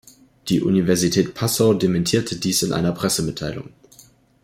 Die Universität Passau dementierte dies in einer Pressemitteilung.